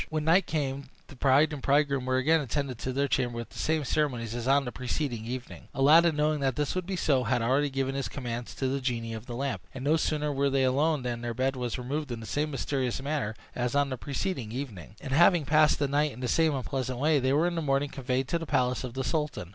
When night came the bride and bridegroom were again attended to their chamber with the same ceremonies as on the preceding evening. Aladdin, knowing that this would be so, had already given his commands to the genie of the lamp; and no sooner were they alone than their bed was removed in the same mysterious manner as on the preceding evening; and having passed the night in the same unpleasant way, they were in the morning conveyed to the palace of the sultan.